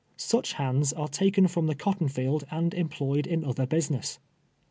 Such hands are taken from the cott(m held and employed in other business.